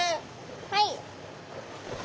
はい！